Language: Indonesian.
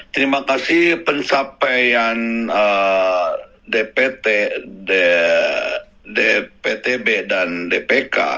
terima kasih pencapaian dpt dptb dan dpk